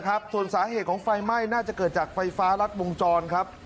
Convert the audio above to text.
ส่วนสาเหตุของไฟไหม้น่าจะเกิดจากไฟฟ้ารัดวงจรครับ